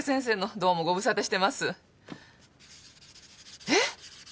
どうもご無沙汰してます。え！？